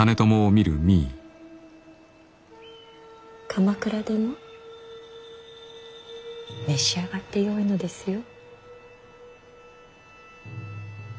鎌倉殿召し上がってよいのですよ。